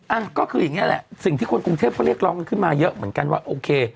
อ่ะก็คืออย่างนี้แหละสิ่งที่คนกรุงเทพเขาเรียกร้องกันขึ้นมาเยอะเหมือนกันว่าโอเค